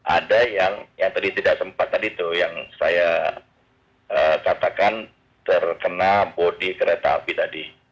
ada yang tadi tidak sempat tadi tuh yang saya katakan terkena bodi kereta api tadi